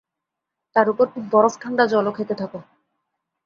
তার উপর খুব বরফ-ঠাণ্ডা জলও খেতে থাকো।